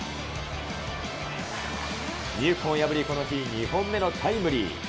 二遊間を破り、この日、２本目のタイムリー。